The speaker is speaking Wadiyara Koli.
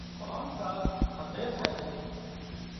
ڪام ڪاز هڌري ٿائي سي